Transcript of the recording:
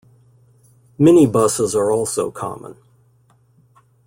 Mini-buses are also common.